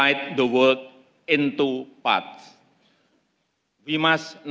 kita tidak harus memutuskan dunia menjadi bagian